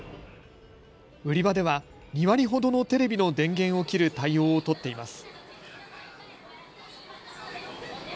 売り場では２割ほどのテレビの電源を切る対応を取っています。